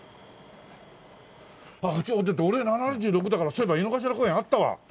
あっだって俺７６だからそういえば井の頭公園あったわ。